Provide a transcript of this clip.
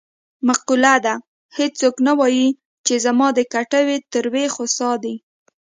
معقوله ده: هېڅوک نه وايي چې زما د کټوې تروې خسا دي.